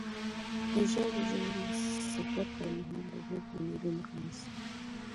د ژاولې ژوول د سفر پر مهال د غوږ بندېدو مخه نیسي.